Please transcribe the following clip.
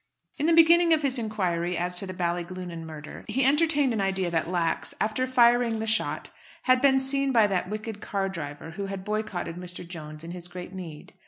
In the beginning of his inquiry as to the Ballyglunin murder, he entertained an idea that Lax, after firing the shot, had been seen by that wicked car driver, who had boycotted Mr. Jones in his great need.